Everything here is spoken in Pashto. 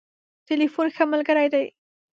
ټليفون ښه ملګری دی.